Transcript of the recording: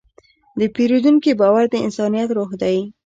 د پیرودونکي باور د انسانیت روح دی.